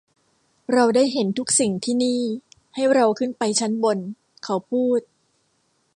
เราได้เห็นทุกสิ่งที่นี่; ให้เราขึ้นไปชั้นบนเขาพูด